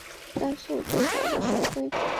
甘肃省最早的省会。